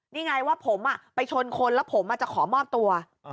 นี่ไงว่าผมไปชนคนแล้วผมจะขอมอบตัว